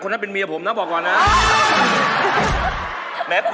คุณตะวันนึกว่าจะว่ายแมว